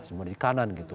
semua di kanan gitu